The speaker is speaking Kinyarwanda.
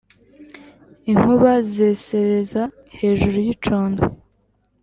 Inkuba zesereza hejuru y'icondo: